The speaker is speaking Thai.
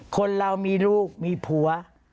คนเรามีลูกมีผัว